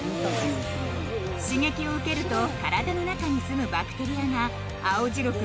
刺激を受けると体の中に住むバクテリアが青白く